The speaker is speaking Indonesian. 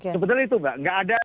sebetulnya itu pak